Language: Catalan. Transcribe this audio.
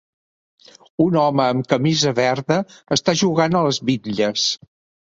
Un home amb camisa verda està jugant a les bitlles